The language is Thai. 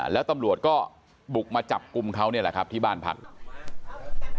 แล้วตำรวจก็บุกมาจับกลุ่มเขาเนี่ยแหละครับที่บ้านพัก